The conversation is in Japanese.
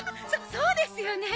そうですよね。